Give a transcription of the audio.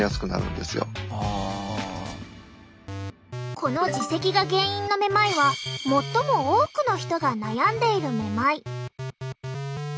この耳石が原因のめまいは最も多くの人が悩んでいるめまい。